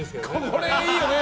これいいよね。